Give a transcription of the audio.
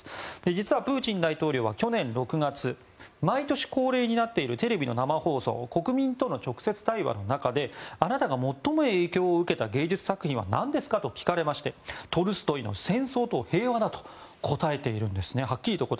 実はプーチン大統領は去年６月毎年恒例になっているテレビの生放送国民との直接対話の中であなたが最も影響を受けた文学作品は何ですかと聞かれましてトルストイの「戦争と平和」だとはっきりと答えているんですね。